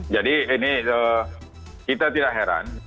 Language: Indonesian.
jadi ini kita tidak heran